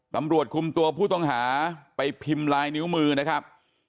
ตำรวจคุมตัวผู้ต้องหาไปพิมพ์ลายนิ้วมือนะครับ